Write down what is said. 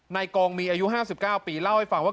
ในกองมีอายุ๕๙ปีเล่าให้ฟังว่า